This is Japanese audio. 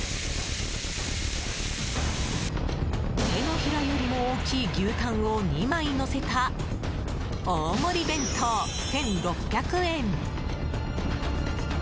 手のひらよりも大きい牛タンを２枚のせた大盛り弁当１６００円。